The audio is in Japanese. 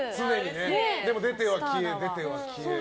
でも出ては消え、出ては消え。